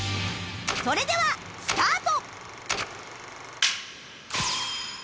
それではスタート！